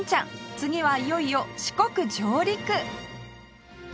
次はいよいよ四国上陸！